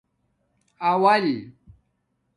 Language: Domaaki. اول